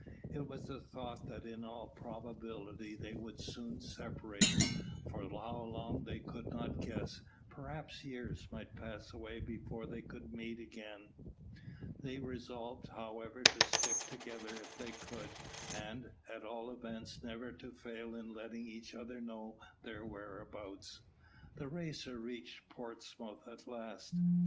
It was the thought that in all probability they would be soon separated, for how long they could not guess perhaps years might pass away before they could again meet. They resolved, however, to stick together if they could, and, at all events, never to fail in letting each other know their whereabouts. The Racer reached Portsmouth at last.